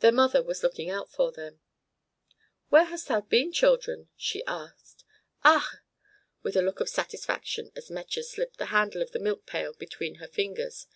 Their mother was looking out for them. "Where hast thou been, children?" she asked. "Ach!" with a look of satisfaction as Metje slipped the handle of the milk pail between her fingers.